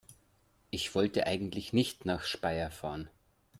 Ich wollte eigentlich nicht nach Speyer fahren